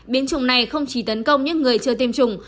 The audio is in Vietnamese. biến chủng này không chỉ tấn công những người chưa tiêm chủng